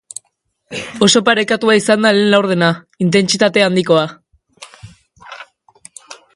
Oso parekatua izan da lehen laurdena, intentsitate handikoa.